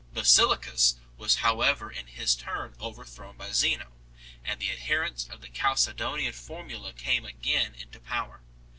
Basiliscus was however in his turn overthrown by Zeno, and the adherents of the Chalcedonian formula came again into power.